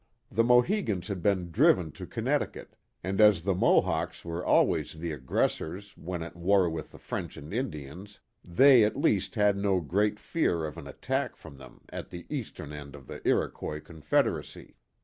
The Mohicans had been driven to Connecticut, and as the Mohawks were always the aggressors when at war with the French and Indians, they at least had no great fear of an attack from them at the eastern end of the Iroquois Confederacy.